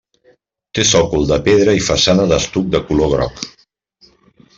Té sòcol de pedra i façana d'estuc de color groc.